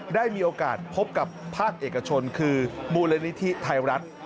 ได้มีโอกาสพบกับภาคเอกชนคือมูลนิธิไทยรัฐ